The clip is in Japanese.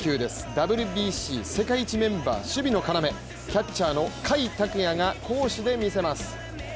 ＷＢＣ世界位置メンバー、守備の要、キャッチャーの甲斐拓也が攻守で見せます。